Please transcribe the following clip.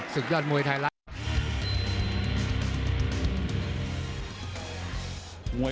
ศึกยอดมวยไทย